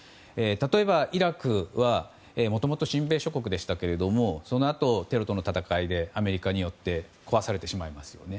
例えば、イラクはもともと親米諸国でしたがそのあとテロとの戦いでアメリカによって壊されてしまいますよね。